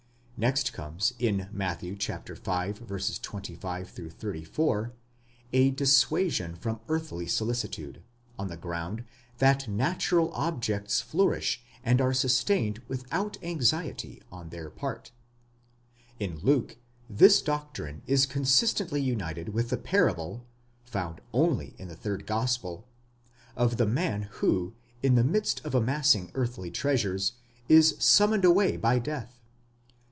Next comes, in Matthew v. 25 34, a dissuasion from: earthly solicitude, on the ground that natural objects flourish and are sustained without anxiety on their part ; in Luke, this doctrine is consistently united with the parable (found only in the third gospel) of the man who, in the midst of amassing earthly treasures, is summoned away by death (xii.